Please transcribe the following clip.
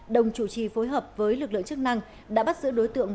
đồng chủ trì phối hợp với lực lượng chức năng đã bắt giữ đối tượng